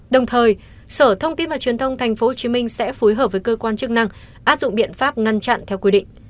đồng thời sở thông tin và truyền thông tp hcm sẽ phối hợp với cơ quan chức năng áp dụng biện pháp ngăn chặn theo quy định